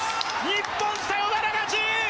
日本、サヨナラ勝ち！